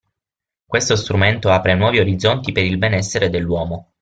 Questo strumento apre nuovi orizzonti per il benessere dell'uomo.